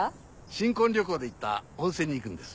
新婚旅行で行った温泉に行くんです。